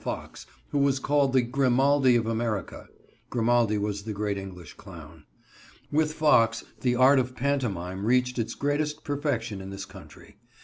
Fox, who was called the "Grimaldi of America." Grimaldi was the great English clown. With Fox the art of pantomime reached its greatest perfection in this country.